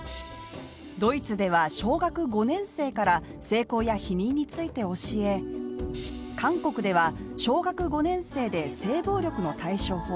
ドイツでは小学５年生から性交や避妊について教え、韓国では小学５年生で性暴力の対処法